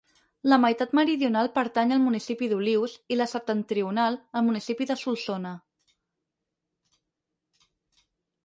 La meitat meridional pertany al municipi d'Olius i la septentrional, al municipi de Solsona.